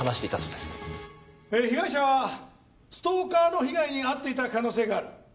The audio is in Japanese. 被害者はストーカーの被害に遭っていた可能性がある。